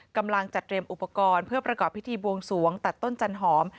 กำลังจัดเตรียมอุปกรณ์เพื่อประกอบพิธีบวงสวงตัดต้นจันหอม